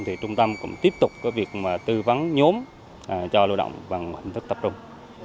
thì trung tâm cũng tiếp tục có việc tư vấn nhóm cho lao động bằng hình thức tập trung